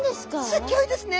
すギョいですね。